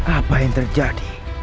apa yang terjadi